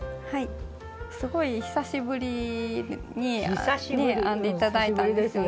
すごい久しぶりにね編んで頂いたんですよね。